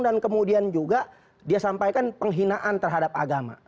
dan kemudian juga dia sampaikan penghinaan terhadap agama